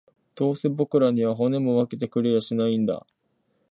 どうせ僕らには、骨も分けてくれやしないんだ